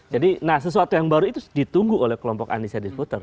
jadi nah sesuatu yang baru itu ditunggu oleh kelompok undecided voters